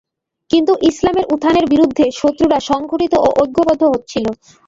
কিন্তু ইসলামের উত্থানের বিরুদ্ধে শত্রুরা সংগঠিত ও ঐক্যবদ্ধ হচ্ছিল।